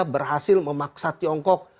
berhasil memaksa tiongkok